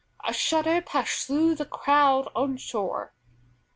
A shudder passed through the crowd on shore.